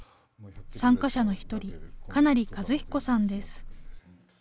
参加者の１人、金成和彦さんです。